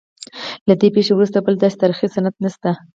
له دې پیښې وروسته بل داسې تاریخي سند نشته.